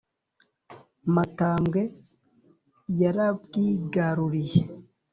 matambwe yarabwigaruriye